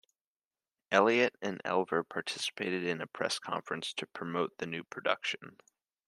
Elliott and Elver participated in a press conference to promote the new production.